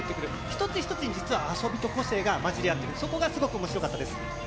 一つ一つに実は、遊びと個性がまじり合ってる、そこがすごくおもしろかったです。